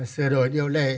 sửa đổi điều lệ